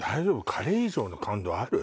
カレー以上の感動ある？